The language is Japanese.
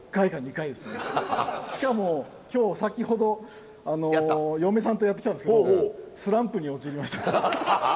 しかも今日先ほど嫁さんとやってきたんですけどスランプに陥りました。